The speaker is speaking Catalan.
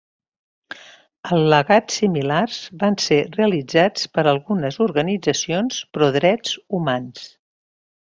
Al·legats similars van ser realitzats per algunes organitzacions pro drets humans.